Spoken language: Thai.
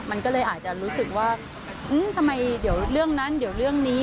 มันก็เลยอาจจะรู้สึกว่าทำไมเดี๋ยวเรื่องนั้นเดี๋ยวเรื่องนี้